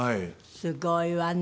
すごいわね。